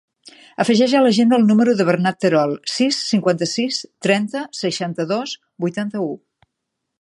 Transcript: Afegeix a l'agenda el número del Bernat Terol: sis, cinquanta-sis, trenta, seixanta-dos, vuitanta-u.